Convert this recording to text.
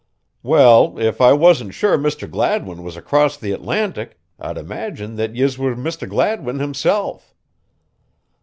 "Well, if I wasn't sure Mr. Gladwin was across the Atlantic I'd imagine that yez were Mr. Gladwin himself."